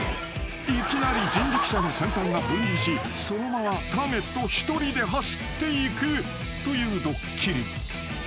［いきなり人力車の先端が分離しそのままターゲット一人で走っていくというドッキリ］